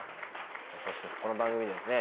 さぁそしてこの番組ですね